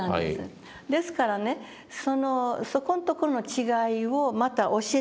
ですからねそこんとこの違いをまた教えてました。